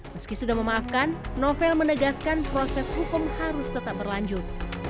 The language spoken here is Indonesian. meski sudah memaafkan novel menegaskan proses hukum harus tetap berlanjut